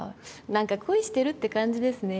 何か恋してるって感じですね。